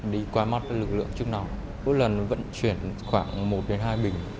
đi qua mắt lực lượng chức năng bữa lần vận chuyển khoảng một hai bình